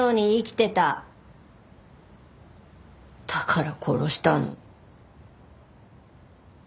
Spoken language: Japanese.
だから殺したの。